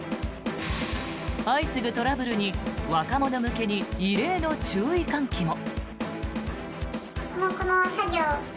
相次ぐトラブルに、若者向けに異例の注意喚起も。